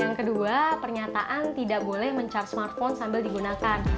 yang kedua pernyataan tidak boleh mencharge smartphone sambil digunakan